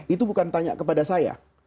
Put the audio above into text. itu bukan tanya kepada saya